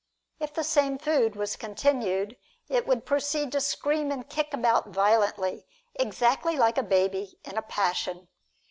If the same food was continued, it would proceed to scream and kick about violently, exactly like a baby in a passion.